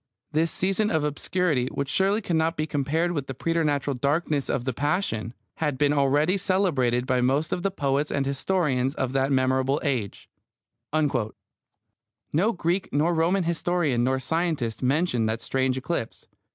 This season of obscurity, which surely cannot be compared with the preternatural darkness of the Passion, had been already celebrated by most of the poets and historians of that memorable age. No Greek nor Roman historian nor scientist mentioned that strange eclipse.